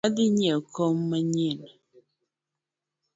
Adhii nyieo kom manyien